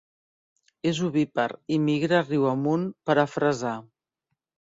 És ovípar i migra riu amunt per a fresar.